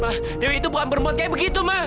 ma dia itu bukan bermot kayak begitu ma